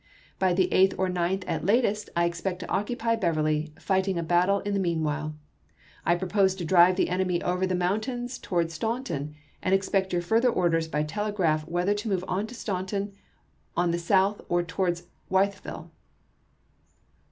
.. By the 8th or 9th at latest I expect to occupy Beverly, fighting a battle in the mean while. I propose to di'ive the enemy over the mountains towards Staunton, and S^Towns^ expect your further orders by telegraph whether ^efisei!^ to move on Staunton on the south or towards II., p. 199. ■ Wythe ville."